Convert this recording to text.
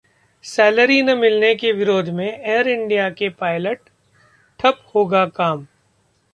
salary न मिलने के विरोध में एयर इंडिया के पायलट, ठप होगा काम